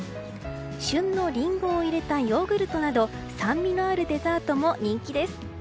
旬のリンゴを入れたヨーグルトなど酸味のあるデザートも人気です。